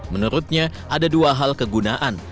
menurutnya ada dua hal kegunaan